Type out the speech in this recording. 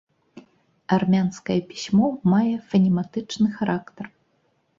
Армянскае пісьмо мае фанематычны характар.